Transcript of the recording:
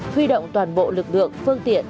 huy động toàn bộ lực lượng phương tiện